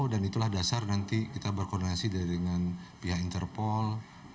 dan itulah dasar nanti kita berkoordinasi dengan pihak interpol